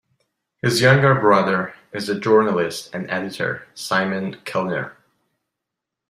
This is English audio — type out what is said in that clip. His younger brother is the journalist and editor Simon Kelner.